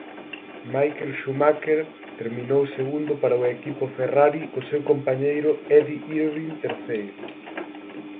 Michael Schumacher terminou segundo para o equipo Ferrari co seu compañeiro Eddie Irvine terceiro.